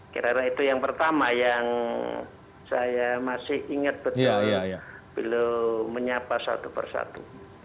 karena itu yang pertama yang saya masih ingat betul belum menyapa satu persatu